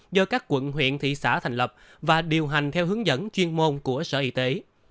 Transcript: do các quận huyện thị xã thành lập và điều hành theo hướng dẫn chuyên môn của sở y tế